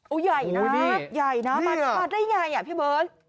โอ้ยใหญ่นะใหญ่นะมาได้ยังไงอ่ะพี่เบิ้ล